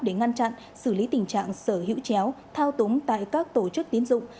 để ngăn chặn xử lý tình trạng sở hữu chéo thao túng tại các tổ chức tín dụng